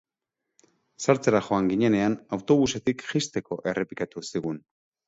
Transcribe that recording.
Sartzera joan ginenean, autobusetik jaisteko errepikatu zigun.